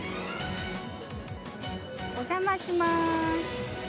お邪魔しまーす。